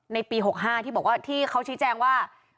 ในปี๖๕ที่เขาชี้แจงว่า